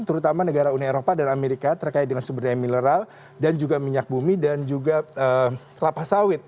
terutama negara uni eropa dan amerika terkait dengan sumber daya mineral dan juga minyak bumi dan juga kelapa sawit